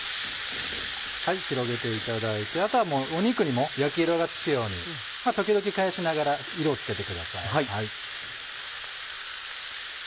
広げていただいてあとはもう肉にも焼き色がつくように時々返しながら色をつけてください。